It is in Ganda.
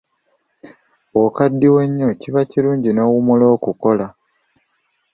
Bw'okaddiwa ennyo kiba kirungi n'owummula okukola.